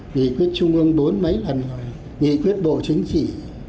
nghị quyết trung ương bốn mấy lần rồi nghị quyết bộ chính trị